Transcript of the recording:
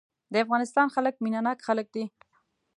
د افغانستان خلک مينه ناک خلک دي.